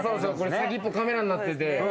先っぽ、カメラになってて。